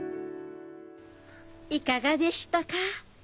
いかがでしたか？